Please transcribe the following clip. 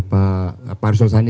pak arsul sani